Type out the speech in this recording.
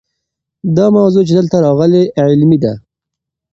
دا موضوع چې دلته راغلې علمي ده.